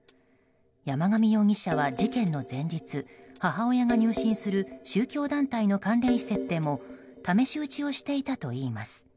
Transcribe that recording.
山上容疑者は事件の前日母親が入信する宗教団体の関連施設でも試し撃ちをしていたといいます。